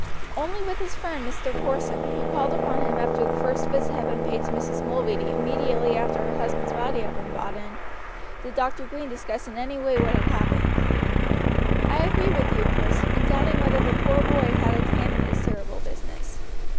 Only with his friend Mr. Porson, who called upon him after the first visit had been paid to Mrs. Mulready immediately after her husband's body had been brought in, did Dr. Green discuss in any way what had happened. "I agree with you, Porson, in doubting whether the poor boy had a hand in this terrible business.